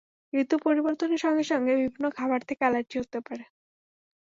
ঋতু পরিবর্তনের সঙ্গে সঙ্গে বিভিন্ন খাবার থেকে অ্যালার্জি হতে পারে।